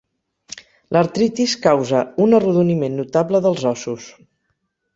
L'artritis causa un arrodoniment notable dels ossos.